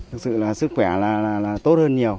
thực sự là sức khỏe là tốt hơn nhiều